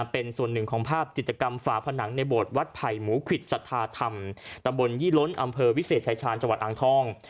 เป็นส่วนหนึ่งของภาพจิตกรรมฝาผนังในโบสถวัดไผ่หมูขวิดสัทธาธรรมตำบลยี่ล้นอำเภอวิเศษชายชาญจังหวัดอ่างทอง